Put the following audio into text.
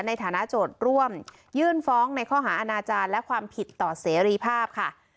ในฐานะโจทย์ร่วมยื่นฟ้องในข้อหาอาณาจารย์และความผิดต่อเสรีภาพค่ะ